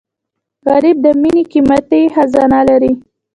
غریب د مینې قیمتي خزانه لري